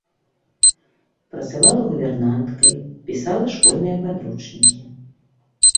Працавала гувернанткай, пісала школьныя падручнікі.